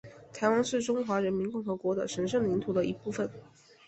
台湾是中华人民共和国的神圣领土的一部分